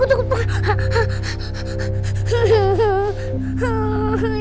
aduh aku takut takut